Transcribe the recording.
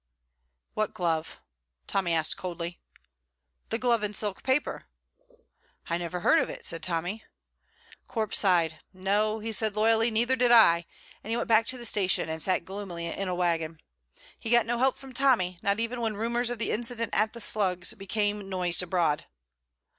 "What glove?" Tommy asked coldly. "The glove in silk paper." "I never heard of it," said Tommy. Corp sighed. "No," he said loyally, "neither did I"; and he went back to the station and sat gloomily in a wagon. He got no help from Tommy, not even when rumours of the incident at the Slugs became noised abroad.